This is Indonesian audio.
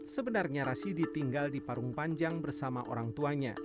sebenarnya rasidi tinggal di parung panjang bersama orang tuanya